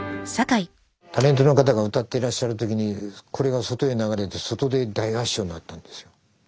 タレントの方が歌ってらっしゃる時にこれが外へ流れて外で大合唱になったんですよ。